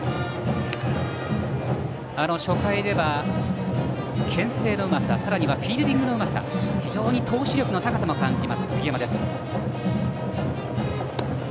初回では、けん制のうまささらにフィールディングのうまさ非常に投手力の高さも感じる杉山です。